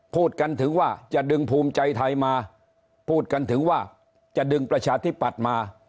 พูดกันถึงว่าจะดึงภูมิใจไทยมาพูดกันถึงว่าจะดึงประชาธิปัตย์มา